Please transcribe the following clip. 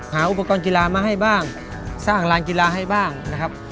หาอุปกรณ์กีฬามาให้บ้างสร้างลานกีฬาให้บ้างนะครับ